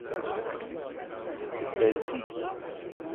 Tedda zik.